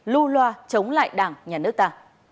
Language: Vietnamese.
lưu loa chống lại đảng nhà nước ta